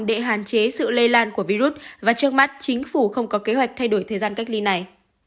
để hạn chế sự lây lan của virus và trước mắt chính phủ không có kế hoạch thay đổi thời gian cách ly này